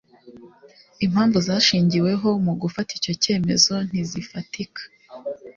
impamvu zashingiweho mu kufata icyo cyemezo ntizifatika